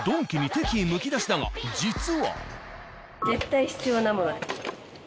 実は。